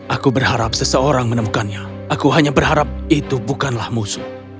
aku berharap seseorang menemukannya aku hanya berharap itu bukanlah musuh